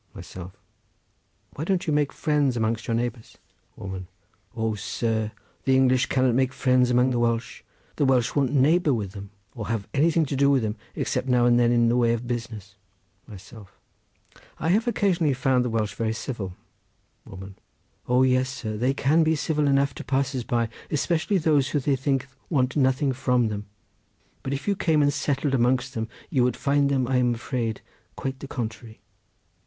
Myself.—Why don't you make friends amongst your neighbours? Woman.—O, sir, the English cannot make friends amongst the Welsh. The Welsh won't neighbour with them, or have anything to do with them, except now and then in the way of business. Myself.—I have occasionally found the Welsh very civil. Woman.—O yes, sir, they can be civil enough to passers by, especially those who they think want nothing from them—but if you came and settled amongst them you would find them, I'm afraid, quite the contrary.